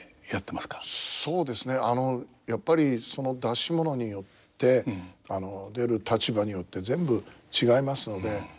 そうですねやっぱりその出し物によって出る立場によって全部違いますので。